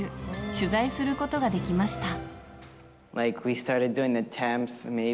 取材することができました。